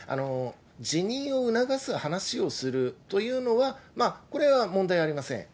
辞任を促す話をするというのは、これは問題ありません。